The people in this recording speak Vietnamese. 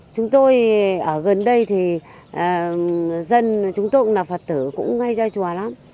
chúng tôi ở gần đây thì dân chúng tôi cũng là phật tử cũng ngay ra chùa lắm